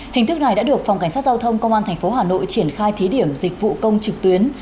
hình thức này đã được phòng cảnh sát giao thông công an tp hà nội triển khai thí điểm dịch vụ công trực tuyến